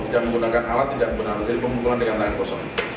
tidak menggunakan alat tidak menggunakan jadi penggunaan dengan tangan kosong